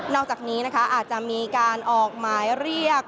อกจากนี้นะคะอาจจะมีการออกหมายเรียก